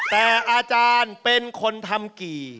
แต่อาจารย์เป็นคนทำกี่